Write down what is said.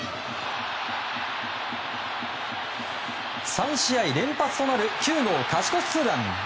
３試合連発となる９号勝ち越しツーラン！